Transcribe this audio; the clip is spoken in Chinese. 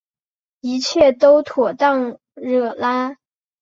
一切都妥当惹拉